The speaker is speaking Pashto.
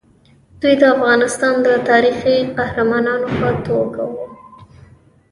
دوی د افغانستان د تاریخي قهرمانانو په توګه وو.